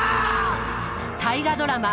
大河ドラマ